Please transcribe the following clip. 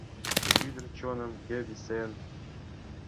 Ӱдыр чоным кӧ висен?